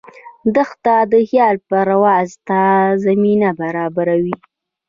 دښته د خیال پرواز ته زمینه برابروي.